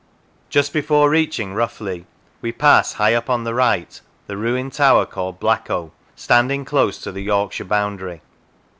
Just before reaching Roughlee we pass, high up on the right, the ruined tower called Blacko, standing close to the Yorkshire boundary.